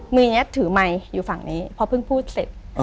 มือนี้ถือไมค์อยู่ฝั่งนี้พอเพิ่งพูดเสร็จ